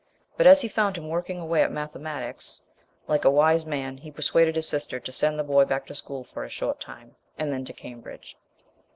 But as he found him working away at mathematics, like a wise man he persuaded his sister to send the boy back to school for a short time, and then to Cambridge.